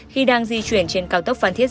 khi đang di chuyển trên cao tốc phan thiết